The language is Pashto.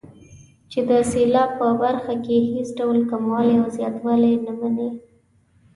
چې د سېلاب په برخه کې هېڅ ډول کموالی او زیاتوالی نه مني.